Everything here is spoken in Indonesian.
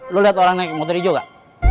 lo liat orang naik motor hijau gak